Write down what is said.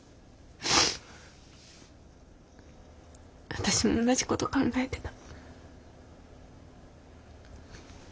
私も同じこと考えてた。